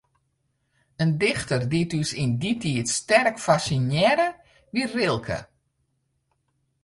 In dichter dy't ús yn dy tiid sterk fassinearre, wie Rilke.